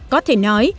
có thể nói